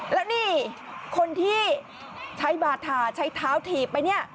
และนี่คนที่ใช้บาดถาใช้เท้าถีบไป